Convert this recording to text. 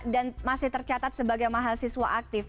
dan masih tercatat sebagai mahasiswa aktif